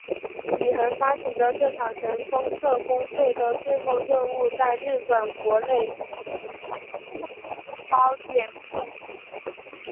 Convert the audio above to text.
宇垣发起的这场神风特攻队的最后任务在日本国内褒贬不一。